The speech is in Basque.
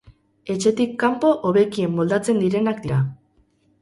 Etxetik kanpo hobekien moldatzen direnak dira.